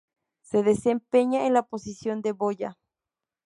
Se desempeña en la posición de boya.